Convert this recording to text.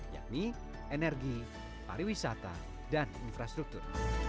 yakni energi pariwisata dan infrastruktur